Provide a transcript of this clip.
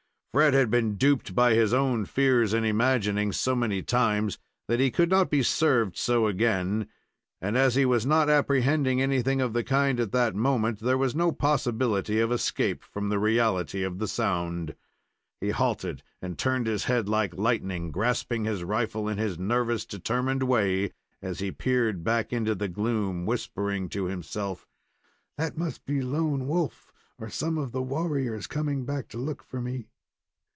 Fred had been duped by his own fears and imaginings so many times that he could not be served so again, and, as he was not apprehending anything of the kind at that moment, there was no possibility of escape from the reality of the sound. He halted and turned his head like lightning, grasping his rifle in his nervous, determined way as he peered back into the gloom, whispering to himself: "That must be Lone Wolf or some of the warriors coming back to look for me."